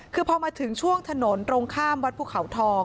คือพอมาถึงช่วงถนนตรงข้ามวัดภูเขาทอง